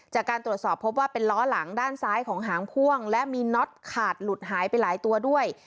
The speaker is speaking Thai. จากการตรวจสอบพบว่าเป็นล้อหลังด้านซ้ายของหางพ่วงและมีน็อตขาดหลุดหายไปหลายตัวด้วย